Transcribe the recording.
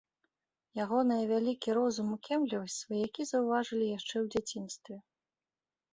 Ягоныя вялікі розум і кемлівасць сваякі заўважылі яшчэ ў дзяцінстве.